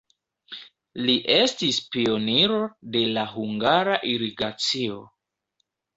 Li estis pioniro de la hungara irigacio.